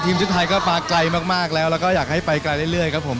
ชุดไทยก็มาไกลมากแล้วแล้วก็อยากให้ไปไกลเรื่อยครับผม